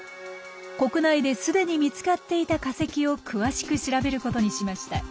国内で既に見つかっていた化石を詳しく調べることにしました。